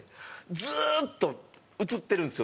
ずーっと映ってるんですよ